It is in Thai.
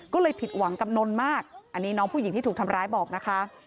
ก็เลยผิดหวังกับนนมากอันนี้น้องผู้หญิงที่ถูกทำร้ายบอกนะคะ